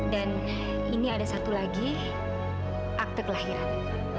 dan ini ada satu lagi akte kelahiran